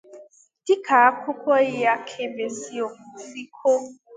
Dika akụkọ ihe akaebe si kọọ